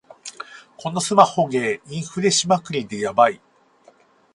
このスマホゲー、インフレしまくりでヤバい